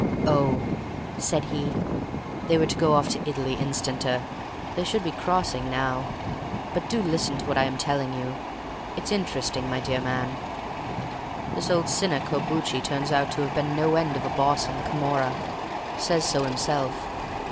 "Oh," said he, "they were to go off to Italy instanter; they should be crossing now. But do listen to what I am telling you; it's interesting, my dear man. This old sinner Corbucci turns out to have been no end of a boss in the Camorra—says so himself.